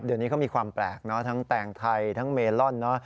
เดี๋ยวนี้เขามีความแปลกทั้งแต่งไทยทั้งเมล่อน